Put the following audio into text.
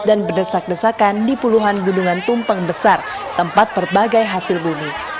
dan berdesak desakan di puluhan gunungan tumpeng besar tempat berbagai hasil bumi